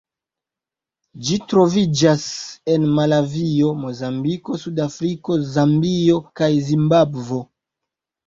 Ĝi troviĝas en Malavio, Mozambiko, Sudafriko, Zambio kaj Zimbabvo.